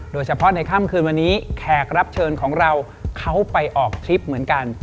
โดยเฉพาะในค่ำคืนวันนี้แขกรับเชิญของเราเขาไปออกทริปเหมือนกัน